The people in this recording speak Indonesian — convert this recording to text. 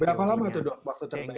berapa lama itu dok waktu terpenit dok